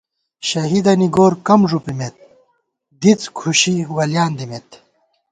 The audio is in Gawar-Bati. شہیدَنی گورکم ݫُپِمېت، دِڅ کھُشی ولیان دِمېت